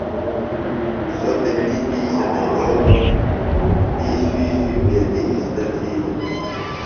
سوۡ تیݨی دِیشہ تھےۡ یھولوۡ۔ تی شُوئ شُوی بیتیۡ اِزدہ تِھیلیۡ دےۡ۔